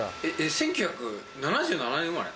１９７７年生まれ？